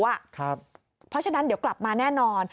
เพราะฉะนั้นเดี๋ยวกลับมาแน่นอน